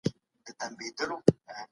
دا د بریالیتوب لاره ده.